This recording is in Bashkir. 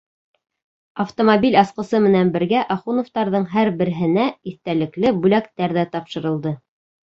Автомобиль асҡысы менән бергә Ахуновтарҙың һәр береһенә иҫтәлекле бүләктәр ҙә тапшырылды.